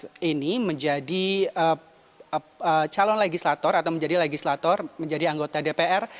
pada pemilu dua ribu sembilan belas ini menjadi calon legislator atau menjadi legislator menjadi anggota dpr